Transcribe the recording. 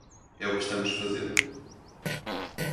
É o que estamos fazendo.